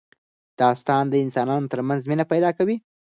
دا داستان د انسانانو ترمنځ مینه پیدا کوي.